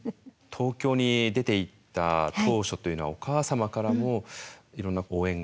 東京に出ていった当初というのはお母様からもいろんな応援があったそうですね。